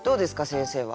先生は。